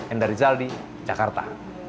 and dari zaldi jakarta